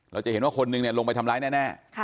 เราจะเห็นว่าคนนึงลงไปทำร้ายแน่